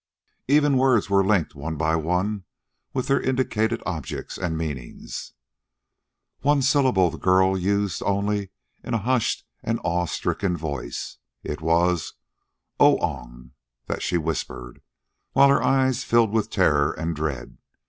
Even words were linked one by one with their indicated objects and meanings. One syllable the girl used only in a hushed and awe stricken tone. It was "Oong" that she whispered, while her eyes filled with terror and dread.